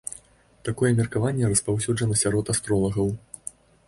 Такое меркаванне распаўсюджана сярод астролагаў.